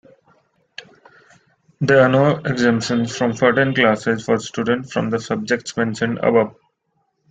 There are no exemptions from certain classes for students from the subjects mentioned above.